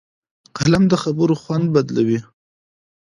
قلم د خبرو خوند بدلوي